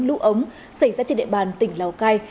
lũ ống xảy ra trên địa bàn tỉnh lào cai